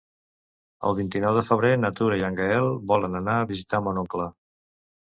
El vint-i-nou de febrer na Tura i en Gaël volen anar a visitar mon oncle.